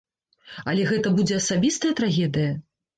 Але гэта будзе асабістая трагедыя?